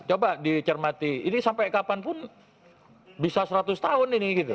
coba dicermati ini sampai kapanpun bisa seratus tahun ini gitu